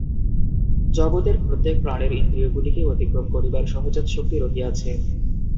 জগতের প্রত্যেক প্রাণীর ইন্দ্রিয়গুলিকে অতিক্রম করিবার সহজাত শক্তি রহিয়াছে।